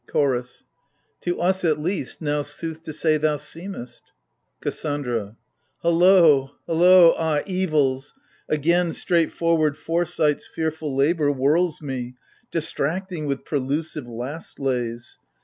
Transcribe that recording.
CHOROS. To us, at least, now sooth to say thou seemest. KASSANDRA. Halloo, Halloo, ah, evils ! Again, straightforward foresight's fearful labour Whirls me, distracting with prelusive last lays